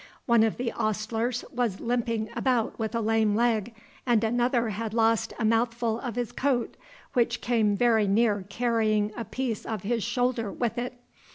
One of the ostlers was limping about with a lame leg, and another had lost a mouthful of his coat, which came very near carrying a piece of his shoulder with it.